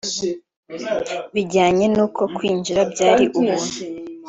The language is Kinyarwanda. Bijyanye nuko kwinjira byari ubuntu